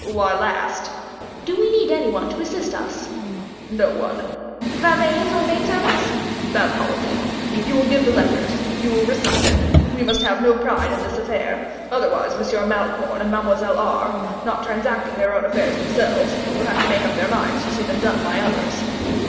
"Why last?" "Do we need any one to assist us?" "No one." "Valets or maid servants?" "Bad policy. You will give the letters, you will receive them. Oh! we must have no pride in this affair, otherwise M. Malicorne and Mademoiselle Aure, not transacting their own affairs themselves, will have to make up their minds to see them done by others."